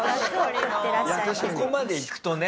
ここまでいくとね。